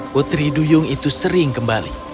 putri duyung itu sering kembali